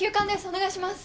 お願いします。